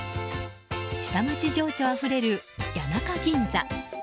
下町情緒あふれる谷中ぎんざ。